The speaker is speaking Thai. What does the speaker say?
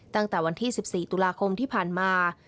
ตั้งแต่วันที่๑๔ตุลาคมที่ผ่านมา